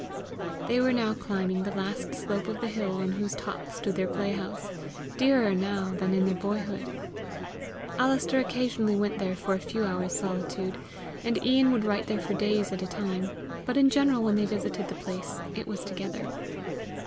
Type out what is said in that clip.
They were now climbing the last slope of the hill on whose top stood their playhouse, dearer now than in their boyhood. Alister occasionally went there for a few hours' solitude, and Ian would write there for days at a time, but in general when they visited the place it was together.